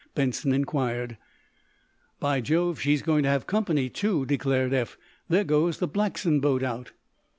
Benson inquired. "By Jove, she's going to have company, too," declared Eph. "There goes the Blackson boat out."